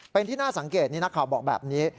เป็นที่น่าสังเกตนี่นักข่าวบอกแบบนี้